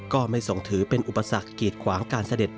ก็ไม่ส่งถือเป็นอุปสรรคกีดขวางการเสด็จ